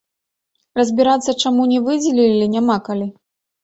Разбірацца, чаму не выдзелілі, няма калі.